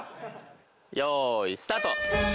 よいスタート。